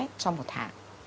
trong một tháng